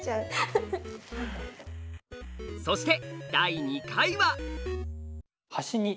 そして第２回は。